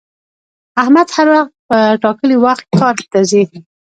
احمد هر وخت په ټاکلي وخت کار ته ځي